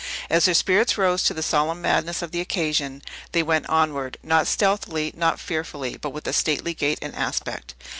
As their spirits rose to the solemn madness of the occasion, they went onward, not stealthily, not fearfully, but with a stately gait and aspect.